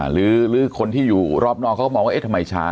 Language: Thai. หรือคนที่อยู่รอบนอกเขาก็มองว่าเอ๊ะทำไมช้า